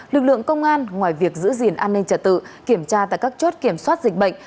lực lượng công an ngoài việc giữ gìn an ninh trật tự kiểm tra tại các chốt kiểm soát dịch bệnh